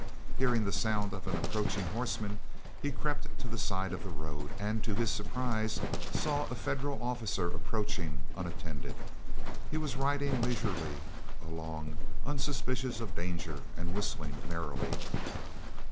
Hearing the sound of an approaching horseman, he crept to the side of the road, and to his surprise saw a Federal officer approaching unattended. He was riding leisurely along unsuspicious of danger, and whistling merrily.